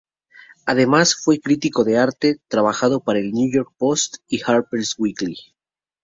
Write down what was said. Además fue crítico de arte, trabajando para el New York Post y Harper's Weekly.